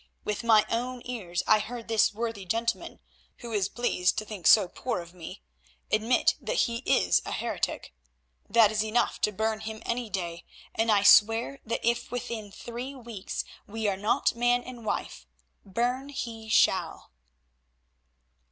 With my own ears I heard this worthy gentleman, who is pleased to think so poorly of me, admit that he is a heretic. That is enough to burn him any day, and I swear that if within three weeks we are not man and wife, burn he shall."